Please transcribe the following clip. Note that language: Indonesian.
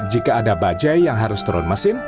jika ada bajai yang harus turun mesin